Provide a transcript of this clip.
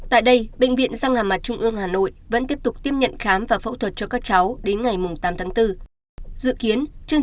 tại đây bệnh viện gia hà mặt trung ương hà nội vẫn tiếp tục tiếp nhận khám và phẫu thuật cho các cháu đến ngày tám tháng bốn